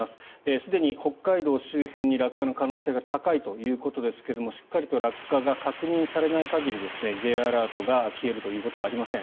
すでに北海道周辺に落下の可能性が高いということですがしっかりと落下が確認されない限りＪアラートが消えるということはありません。